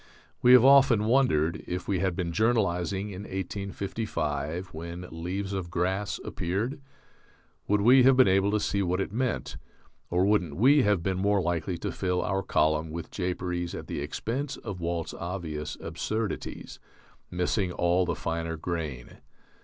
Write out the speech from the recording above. We have often wondered, if we had been journalizing in 1855 when "Leaves of Grass" appeared, would we have been able to see what it meant, or wouldn't we have been more likely to fill our column with japeries at the expense of Walt's obvious absurdities, missing all the finer grain?